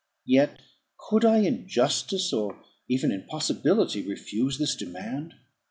Yet could I, in justice, or even in possibility, refuse this demand?